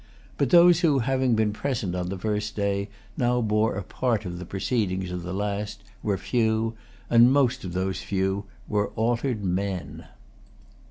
But those who, having been present on the first day, now bore a part in the proceedings of the last, were few; and most of those few were altered men.